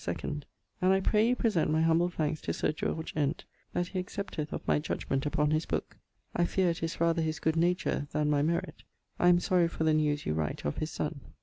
2ᵈ, and I pray you present my humble thanks to Sir George Ent that he accepteth of my judgment upon his booke. I fear it is rather his good nature then my merit. I am sorry for the news you write of his son.